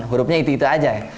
hurufnya itu itu aja